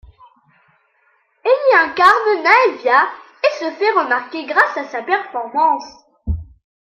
Elle y incarne Naevia et se fait remarquer grâce à sa performance.